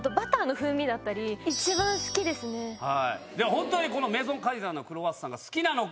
本当にメゾンカイザーのクロワッサンが好きなのか